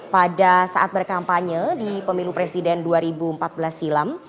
pada saat berkampanye di pemilu presiden dua ribu empat belas silam